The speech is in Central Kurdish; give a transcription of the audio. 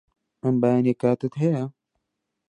ئەم بەیانییە کاتت هەیە؟